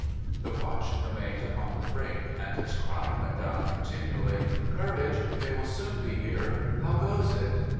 The watch remained upon the brink, and his cry went down continually :' Courage ! They will soon be here. How goes it